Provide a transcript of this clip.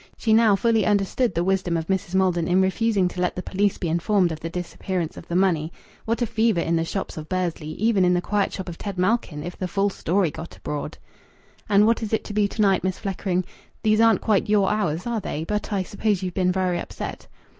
She now fully understood the wisdom of Mrs. Maldon in refusing to let the police be informed of the disappearance of the money. What a fever in the shops of Bursley even in the quiet shop of Ted Malkin if the full story got abroad! "And what is it to be to night, Miss Fleckring? These aren't quite your hours, are they? But I suppose you've been very upset."